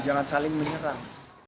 jangan saling menyerang